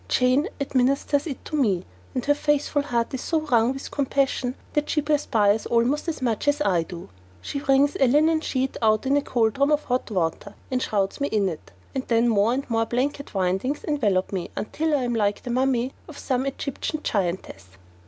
Jane administers it to me, and her faithful heart is so wrung with compassion that she perspires almost as much as I do. She wrings a linen sheet out in a cauldron of hot water and shrouds me in it and then more and more blanket windings envelop me until I am like the mummy of some Egyptian giantess.